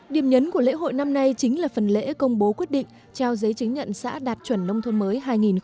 điểm nhấn của lễ hội năm nay chính là phần lễ công bố quyết định trao giấy chứng nhận xã đạt chuẩn nông thôn mới hai nghìn một mươi chín